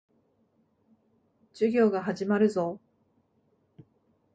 授業が始まるぞ。